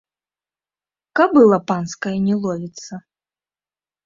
Кабыла панская не ловіцца!